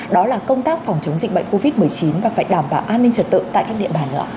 đó là công tác phòng chống dịch bệnh covid một mươi chín và phải đảm bảo an ninh trật tự tại các địa bàn nữa